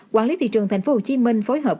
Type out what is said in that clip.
quản lý thị trường tp hcm phối hợp